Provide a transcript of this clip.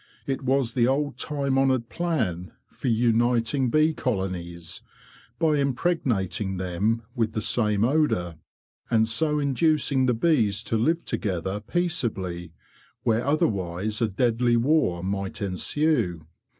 It was the old time honoured plan for uniting bee colonies, by impregnating them with the same odour, and so inducing the bees to live together peaceably, where otherwise a deadly war might ensue.